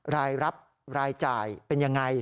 รายรับรายจ่ายเป็นยังไง